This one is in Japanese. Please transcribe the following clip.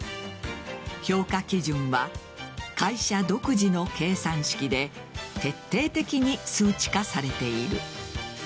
評価基準は会社独自の計算式で徹底的に数値化されている。